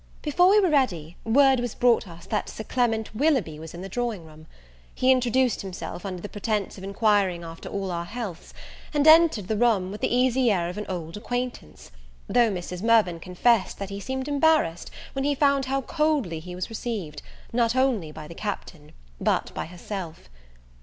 Before we were ready, word was brought us that Sir Clement Willoughby was in the drawing room. He introduced himself under the pretence of inquiring after all our healths, and entered the room with the easy air of an old acquaintance; though Mrs. Mirvan confessed that he seemed embarrassed when he found how coldly he was received, not only by the Captain, but by herself.